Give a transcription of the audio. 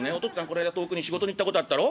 この間遠くに仕事に行ったことあったろ？」。